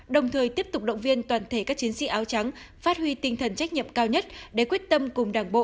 đồng thời tiếp tục động viên toàn thể các chiến sĩ áo trắng phát huy tinh thần trách nhiệm cao nhất để quyết tâm cùng đảng bộ